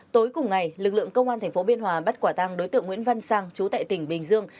tối cùng ngày lực lượng công an tp biên hòa bắt quả tăng đối tượng nguyễn văn sang chú tại tỉnh bình dương